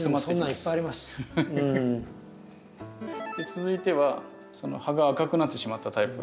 続いてはその葉が赤くなってしまったタイプ。